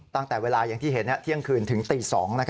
ตั้งแต่เวลาอย่างที่เห็นเที่ยงคืนถึงตี๒